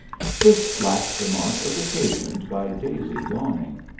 This last remark was occasioned by Daisy yawning.